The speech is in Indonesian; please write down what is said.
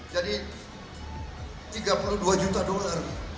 jadi tiga puluh dua juta dolar